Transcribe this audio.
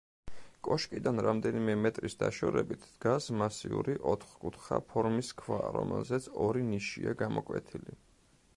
კოშკიდან რამდენიმე მეტრის დაშორებით დგას მასიური ოთხკუთხა ფორმის ქვა, რომელზეც ორი ნიშია გამოკვეთილი.